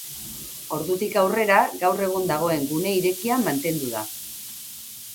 Ordutik aurrera gaur egun dagoen gune irekia mantendu da.